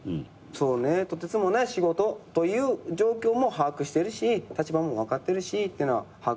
そうねとてつもない仕事という状況も把握してるし立場も分かってるしってのは把握してて。